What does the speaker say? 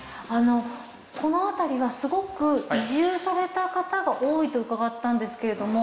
この辺りはすごく移住された方が多いと伺ったんですけれども。